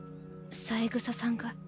三枝さんが。